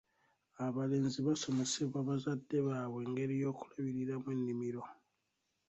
Abalenzi basomesebwa bazadde baabwe engeri y'okulabiriramu ennimiro.